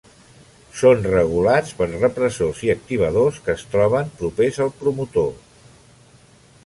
Són regulats per repressors i activadors que es troben propers al promotor.